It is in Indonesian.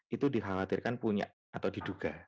itu dikhawatirkan punya atau diduga